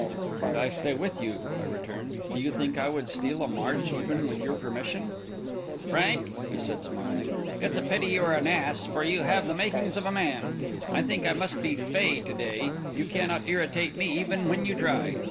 "And I stay with you," I returned. "Do you think I would steal a march, even with your permission?" "Frank," he said, smiling, "it's a pity you are an ass, for you have the makings of a man. I think I must be fey to day; you cannot irritate me even when you try.